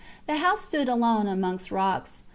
The house stood alone amongst rocks.